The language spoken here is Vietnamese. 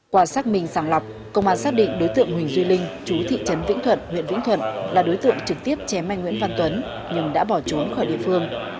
qua xác minh sàng lọc công an xác định đối tượng huỳnh duy linh chú thị trấn vĩnh thuận huyện vĩnh thuận là đối tượng trực tiếp chém anh nguyễn văn tuấn nhưng đã bỏ trốn khỏi địa phương